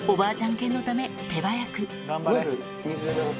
犬のため手早くまず水で流す？